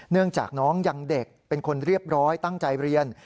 เนื่องจากน้องยังเด็กเป็นคนเรียบร้อยตั้งใจเรียน